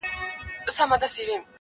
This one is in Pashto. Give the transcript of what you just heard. دا نو ژوند سو؟ درد یې پرېږده او یار باسه